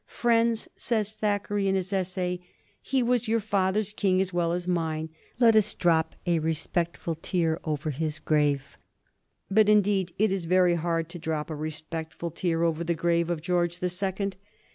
" Friends," says Thackeray in his Essay, *^ he was your fathers' king as well as mine ; let us drop a respectful tear over his grave." But indeed it is very hard to drop a respectful tear over the grave of George the Second.